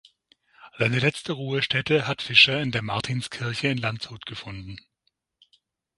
Seine letzte Ruhestätte hat Fischer in der Martinskirche in Landshut gefunden.